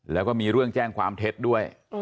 แล้วก็มีเรื่องแจ้งความเท็จด้วย